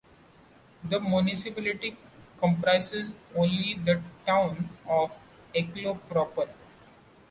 The municipality comprises only the town of Eeklo proper.